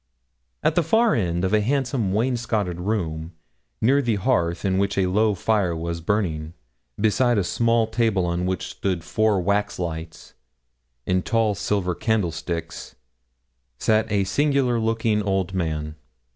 At the far end of a handsome wainscoted room, near the hearth in which a low fire was burning, beside a small table on which stood four waxlights, in tall silver candlesticks, sat a singular looking old man.